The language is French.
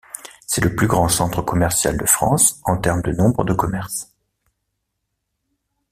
C'est le plus grand centre commercial de France en termes de nombre de commerces.